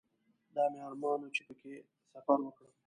دا مې ارمان و چې په کې سفر وکړم.